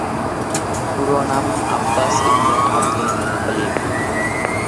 পুরো নাম Abbas ibn Abdul Muttalib.